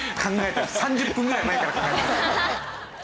３０分ぐらい前から考えてました。